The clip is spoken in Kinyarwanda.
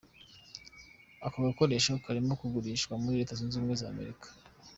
Ako gakoresho karimo kugurishwa muri Leta Zunze Ubumwe za Amerika.